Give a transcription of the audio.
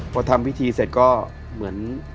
พอทำพิธีเสร็จก็เหมือน